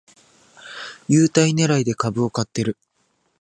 優待ねらいで株を買ってる